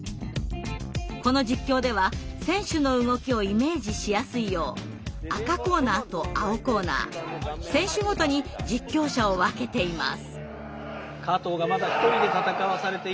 この実況では選手の動きをイメージしやすいよう赤コーナーと青コーナー選手ごとに実況者を分けています。